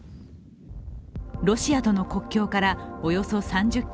ロシアとの国境からおよそ３０ｋｍ。